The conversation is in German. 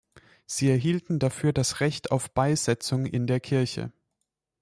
Sie erhielten dafür das Recht auf Beisetzung in der Kirche.